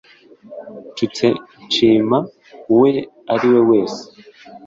nshutse nshima uwe ariwe wese